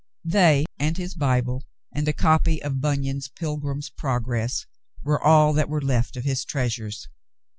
They and his Bible and a copy of Bunyan's Pilgrim's Progress were all that were left of his treasures.